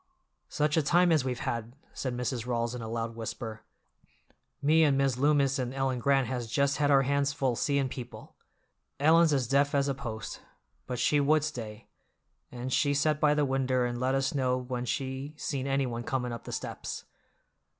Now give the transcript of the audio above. "Such a time as we've had!" said Mrs. Rawls in a loud whisper. "Me and Mis' Loomis and Ellen Grant has just had our hands full seein' people. Ellen's as deaf as a post, but she would stay, and she set by the winder and let us know when she seen anyone comin' up the steps.